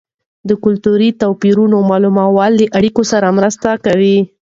د کلتوري توپیرونو معلومول له اړیکو سره مرسته کوي.